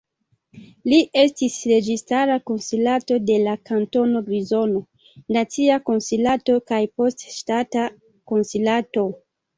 Li estis registara konsilanto de la Kantono Grizono, nacia konsilanto kaj poste ŝtata konsilanto.